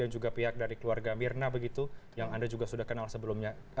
dan juga pihak dari keluarga mirna begitu yang anda juga sudah kenal sebelumnya